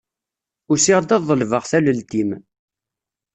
Usiɣ-d ad ḍelbeɣ tallelt-im.